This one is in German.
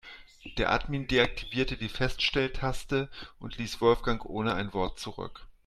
Der Admin deaktivierte die Feststelltaste und ließ Wolfgang ohne ein Wort zurück.